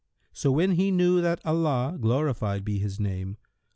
So when he knew that Allah (glorified be His name!)